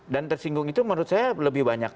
dan tersinggung itu menurut saya lebih banyak